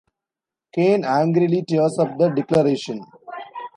Kane angrily tears up the declaration.